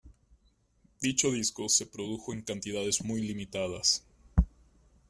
Dicho disco se produjo en cantidades muy limitadas.